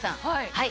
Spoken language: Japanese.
はい。